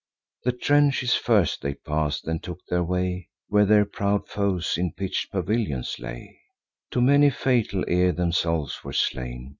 The trenches first they pass'd; then took their way Where their proud foes in pitch'd pavilions lay; To many fatal, ere themselves were slain.